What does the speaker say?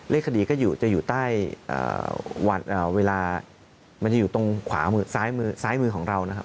คดีก็จะอยู่ใต้เวลามันจะอยู่ตรงขวามือซ้ายมือซ้ายมือของเรานะครับ